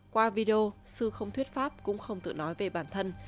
qua video sư không thuyết pháp cũng không tự nói về bản thân